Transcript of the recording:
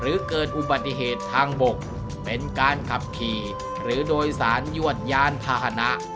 เกิดอุบัติเหตุทางบกเป็นการขับขี่หรือโดยสารยวดยานพาหนะ